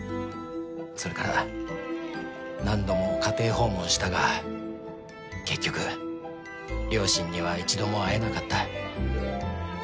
それから何度も家庭訪問したが結局両親には一度も会えなかった。